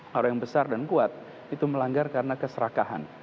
hal yang besar dan kuat itu melanggar karena keserakahan